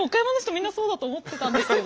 みんなそうだと思ってたんですけど。